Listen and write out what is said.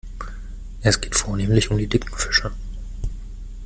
Es geht vornehmlich um die dicken Fische.